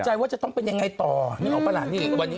ใจว่าจะต้องเป็นยังไงต่อนึกออกปะล่ะนี่วันนี้